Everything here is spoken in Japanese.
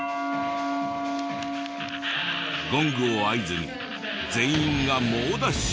ゴングを合図に全員が猛ダッシュ。